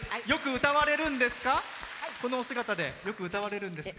このお姿でよく歌われるんですか？